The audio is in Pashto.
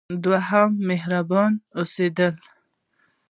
دوهم: مهربانه اوسیدل.